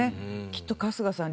きっと春日さん